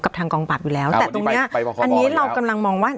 ทางกองปราบอยู่แล้วแต่ตรงเนี้ยอันนี้เรากำลังมองว่า